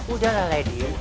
udah lah lady